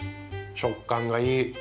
食感がいい。